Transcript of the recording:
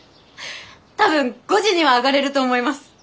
多分５時にはあがれると思います。